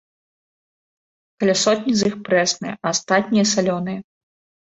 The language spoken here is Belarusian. Каля сотні з іх прэсныя, а астатнія салёныя.